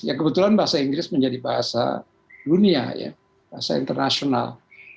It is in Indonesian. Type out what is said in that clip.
ya kebetulan bahasa inggris menjadi bahasa dunia ya bahasa internasional